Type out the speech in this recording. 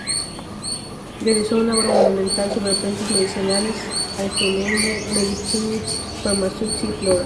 Realizó una obra monumental sobre plantas medicinales: Allgemeine medizinisch-pharmazeutische Flora...